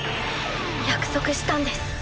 約束したんです。